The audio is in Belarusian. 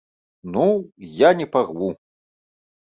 Ну, я не парву!